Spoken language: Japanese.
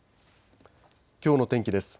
きょうの天気です。